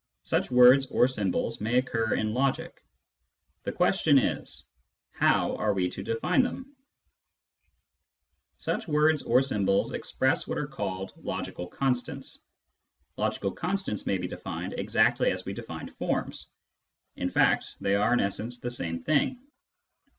Such words or symbols may occur in logic. The question is : How are we to define them ? Such words or symbols express what are called " logical constants." Logical constants may be defined exactly as we defined forms ; in fact, they are in essence the same thing.